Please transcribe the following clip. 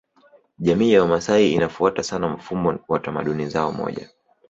Jamii ya Wamasai inafuata sana mfumo wa tamaduni zao moja